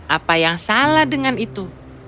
apa yang salah dengan itu